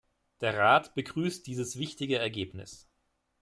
Der Rat begrüßt dieses wichtige Ergebnis.